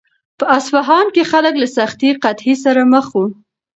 په اصفهان کې خلک له سختې قحطۍ سره مخ وو.